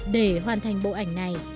để hoàn thành bộ ảnh này